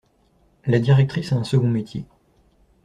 La directrice a un second métier.